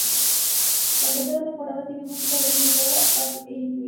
La Tercera temporada tiene música de Lady Gaga, Black Eyed Peas.